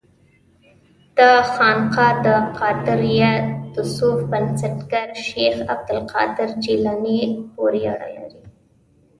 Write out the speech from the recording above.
دا خانقاه د قادریه تصوف بنسټګر شیخ عبدالقادر جیلاني پورې اړه لري.